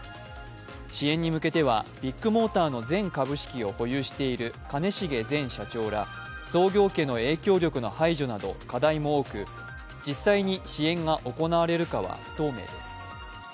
支援に向けてはビッグモーターの全株式を保有している兼重前社長ら創業家の影響力の排除など課題も多く、実際に支援が行われるかは不透明です。